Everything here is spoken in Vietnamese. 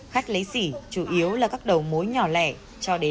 khách lấy sỉ chủ yếu là các đầu mối chuyên sỉ của các loại nhân lẩu